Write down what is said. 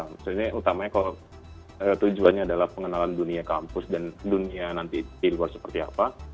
maksudnya utamanya kalau tujuannya adalah pengenalan dunia kampus dan dunia nanti di luar seperti apa